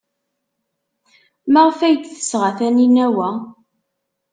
Maɣef ay d-tesɣa Taninna wa?